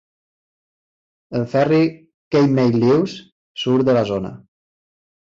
El ferri Cape May-Lewes surt de la zona.